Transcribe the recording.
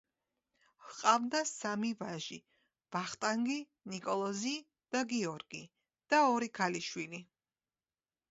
ჰყავდა სამი ვაჟი: ვახტანგი, ნიკოლოზი და გიორგი და ორი ქალიშვილი.